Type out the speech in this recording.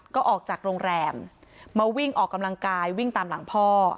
ก็ออกจากโรงแรมมาวิ่งออกกำลังกายวิ่งตามหลังพ่อ